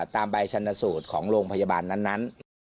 ตามใบชนสูตรของโรงพยาบาลนั้น